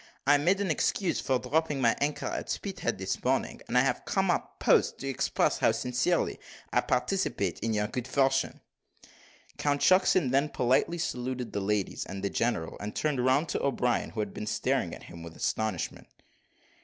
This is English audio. I made an excuse for dropping my anchor at Spithead this morning, and I have come up post to express how sincerely I participate in your good fortune." Count Shucksen then politely saluted the ladies and the general, and turned round to O'Brien, who had been staring at him with astonishment.